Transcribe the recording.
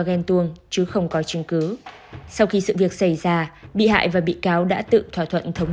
ghen tuông chứ không có chứng cứ sau khi sự việc xảy ra bị hại và bị cáo đã tự thỏa thuận thống